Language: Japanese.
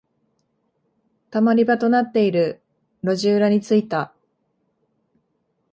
溜まり場となっている路地裏に着いた。